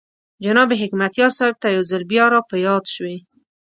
جناب حکمتیار صاحب ته یو ځل بیا را په یاد شوې.